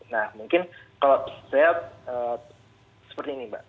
nah mungkin kalau setelah seperti ini